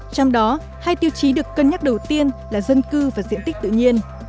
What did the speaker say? trong đó hai tiêu chí được cân nhắc đầu tiên là dân cư và diện tích tự nhiên